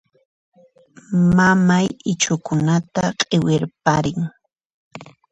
Mamay ichhukunata q'iwirparin.